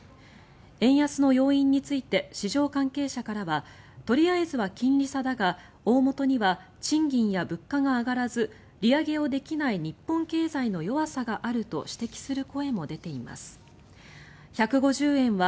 円安の要因について市場関係者からはとりあえずは金利差だが大本には賃金や物価が上がらず利上げをできない日本の経済の弱さがあると指摘する声もあります。